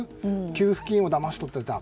給付金をだまし取ったいた。